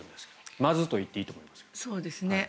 まずといっていいと思いますが。